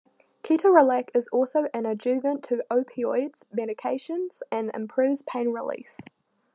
Ketorolac is also an adjuvant to opoids medications and improves pain relief.